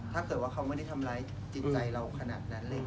ถ้าเกิดว่าเขาไม่ได้ทำร้ายจิตใจเราขนาดนั้นเลย